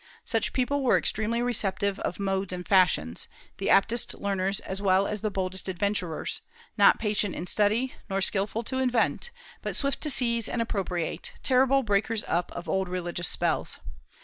Such a people were extremely receptive of modes and fashions, the aptest learners as well as the boldest adventurers; not patient in study nor skilful to invent, but swift to seize and appropriate, terrible breakers up of old religious spells.